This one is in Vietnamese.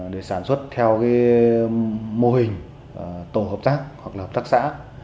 để sản xuất theo mô hình tổ hợp tác hoặc là hợp tác xã